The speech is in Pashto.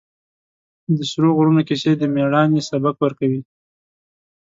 د سرو غرونو کیسې د مېړانې سبق ورکوي.